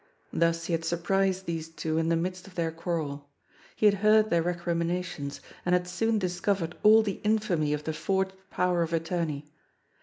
Thus he had surprised these two in the midst of their quarrel. He had heard their recriminations, and had soon discoyered all the infamy of the forged power of attor ney.